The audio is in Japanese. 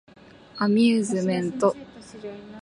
アミューズメント